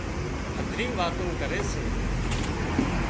هڌريون واتون ڪري سي